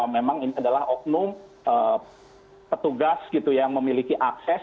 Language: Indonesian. memang ini adalah oknum petugas gitu yang memiliki akses